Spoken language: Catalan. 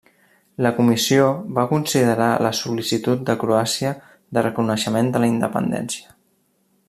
La Comissió va considerar la sol·licitud de Croàcia de reconeixement de la independència.